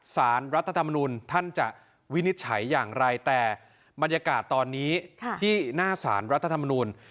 สารรัฐธรรมนุนท่านจะวินิจฉัยอย่างไรแต่มันโยกละตอนนี้ในสารรัฐธรรมนุน